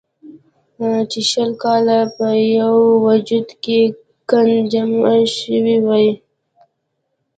چې شل کاله پۀ يو وجود کښې ګند جمع شوے وي